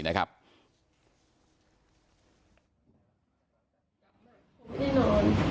เขารับมากกว่าชีวิตเขา